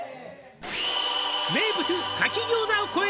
「名物炊き餃子を超える」